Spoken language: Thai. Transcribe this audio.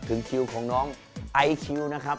ถึงคิวของน้องไอคิวนะครับ